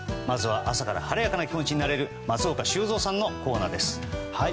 まずは朝から晴れやかな気持ちになれる松岡修造さんのコーナーです。